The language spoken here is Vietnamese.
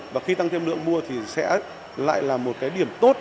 và khi tăng thêm lượng mua thì sẽ lại là một cái điểm tốt